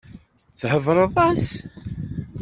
Tḥebbreḍ-as?